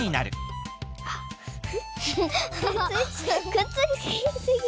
くっつきすぎ。